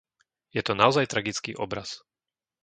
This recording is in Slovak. Je to naozaj tragický obraz.